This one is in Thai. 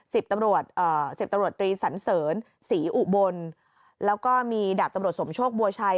ตำรวจเอ่อสิบตำรวจตรีสันเสริญศรีอุบลแล้วก็มีดาบตำรวจสมโชคบัวชัย